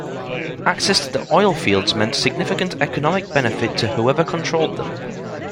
Access to the oil fields meant significant economic benefit to whoever controlled them.